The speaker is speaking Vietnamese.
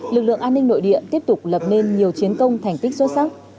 lực lượng an ninh nội địa tiếp tục lập nên nhiều chiến công thành tích xuất sắc